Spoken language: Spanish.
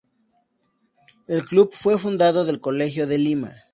El club fue fundado del Colegio de Lima.